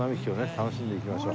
楽しんでいきましょう。